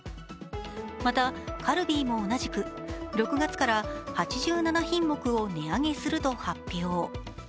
またカルビーも同じく６月から８７品目を値上げすると発表。